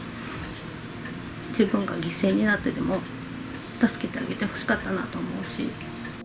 自分が犠牲になってでも助けてあげてほしかったなと思うし。